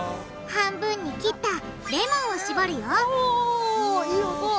半分に切ったレモンをしぼるよいい音！